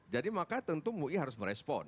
jadi maka tentu mui harus merespon